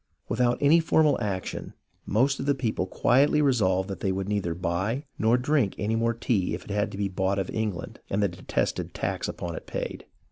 Without any formal action the most of the people quietly resolved that they would neither buy nor drink any more tea if it had to be bought of England and the de tested tax upon it paid.